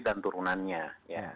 dan turunannya ya